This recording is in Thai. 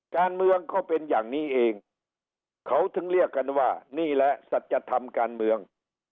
การเมืองก็เป็นอย่างนี้เองเขาถึงเรียกกันว่านี่แหละสัจธรรมการเมือง